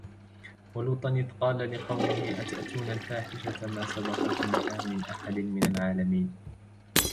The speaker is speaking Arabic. وَلُوطًا إِذْ قَالَ لِقَوْمِهِ أَتَأْتُونَ الْفَاحِشَةَ مَا سَبَقَكُمْ بِهَا مِنْ أَحَدٍ مِنَ الْعَالَمِينَ